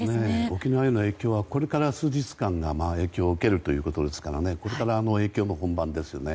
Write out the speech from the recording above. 沖縄はこれから数日間が影響を受けるということですからこれから影響も本番ですね。